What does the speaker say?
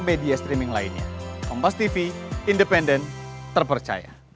lebih besar dia juga memiliki kendaraan